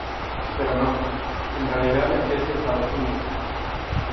Pero no, en realidad es Estados Unidos.